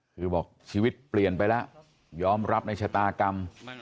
คือบอกชีวิตเปลี่ยนไปแล้วยอมรับในชะตากรรม